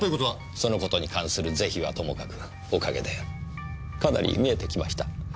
その事に関する是非はともかくおかげでかなり見えてきました。